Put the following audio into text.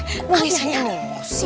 aku biasanya emosi